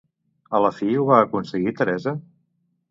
A la fi, ho va aconseguir Teresa?